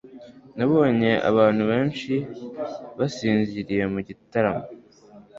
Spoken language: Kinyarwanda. nabonye abantu benshi basinziriye mugitaramo